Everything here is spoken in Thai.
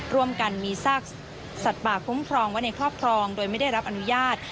ร่วมกันมีซากสัตว์ป่าคุ้มครองไว้ในครอบครองโดยไม่ได้รับอนุญาต